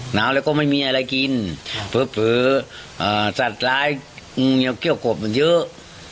หนาวแล้วก็ไม่มีอะไรกินเผลอสัตว์ร้ายเกี้ยกบมันเยอะ